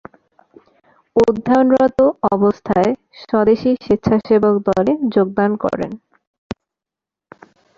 অধ্যয়নরত অবস্থায় স্বদেশী স্বেচ্ছাসেবক দলে যোগদান করেন।